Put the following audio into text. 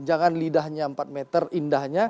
jangan lidahnya empat meter indahnya